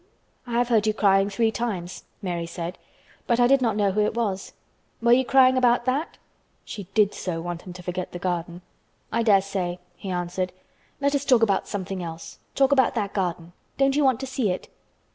"I have heard you crying three times," Mary said, "but I did not know who it was. Were you crying about that?" She did so want him to forget the garden. "I dare say," he answered. "Let us talk about something else. Talk about that garden. Don't you want to see it?"